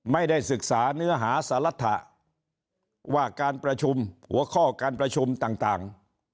ไม่ได้ศึกษาเนื้อหาสารรถะว่าการประชุมหัวข้อการประชุมต่าง